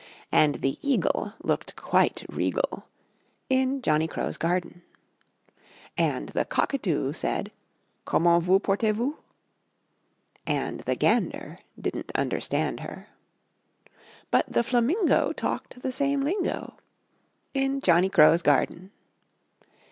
And the Eagle Looked quite regal In Johnny Crow's Garden And the Cockatoo Said "Comment vous portez vous?" And the Gander Didn't understand her; But the Flamingo Talked the same lingo In Johnny Crow's Garden.